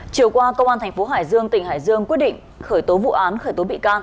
chiều qua công an thành phố hải dương tỉnh hải dương quyết định khởi tố vụ án khởi tố bị can